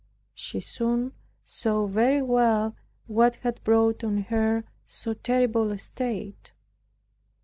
She soon saw very well what had brought on her so terrible a state.